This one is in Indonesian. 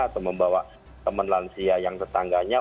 atau membawa teman lansia yang tetangganya